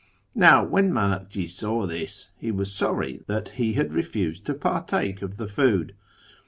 Now when M;inakji saw this, he was sorry that he had refused to partake of the food.